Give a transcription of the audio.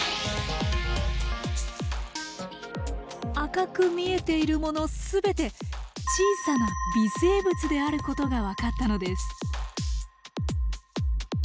赤く見えているもの全て小さな微生物であることが分かったのです。